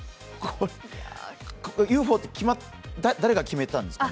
ＵＦＯって誰が決めたんですか？